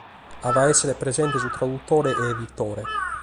At a èssere presente su tradutore e editore.